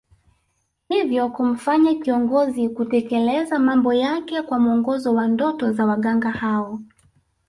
Hivyo kumfanya kiongozi kutekeleza mambo yake kwa mwongozo wa ndoto za waganga hao